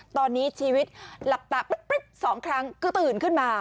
ตอนนี้ชีวิตหลับตาสองครั้งก็ตื่นขึ้นมา